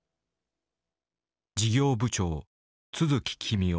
事業部長都築公男。